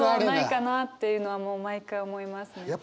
ないかなっていうのはもう毎回思いますね。